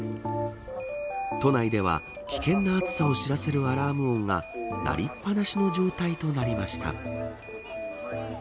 都内では危険な暑さを知らせるアラーム音が鳴りっぱなしの状態となりました。